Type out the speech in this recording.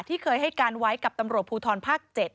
ที่เคยให้การไว้กับตำรวจภูทรภาค๗